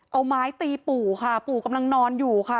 เอาไม้ตีปู่ค่ะปู่กำลังนอนอยู่ค่ะ